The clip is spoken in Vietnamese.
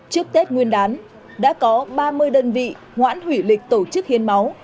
trước tết nguyên đán đã có ba mươi đơn vị hoãn hủy lịch tổ chức hiến máu